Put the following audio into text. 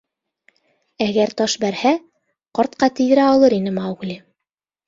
Әгәр таш бәрһә, ҡартҡа тейҙерә алыр ине Маугли.